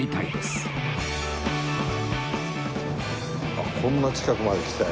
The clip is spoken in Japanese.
あっこんな近くまで来たよ。